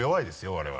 我々。